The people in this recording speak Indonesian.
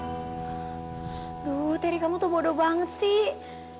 aduh terry kamu tuh bodo banget sih